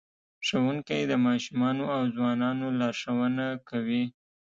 ښوونکی د ماشومانو او ځوانانو لارښوونه کوي.